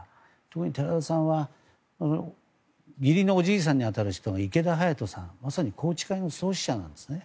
特に寺田さんは義理のおじいさんに当たる人が池田勇人さん、まさに宏池会の創始者なんですね。